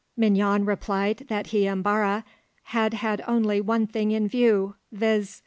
Mignon replied that he and Barre had had only one thing in view, viz.